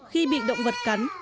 khi bị động vật cắn